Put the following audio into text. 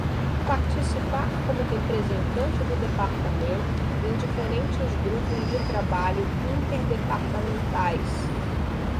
Participar como representante do Departamento em diferentes grupos de trabalho interdepartamentais.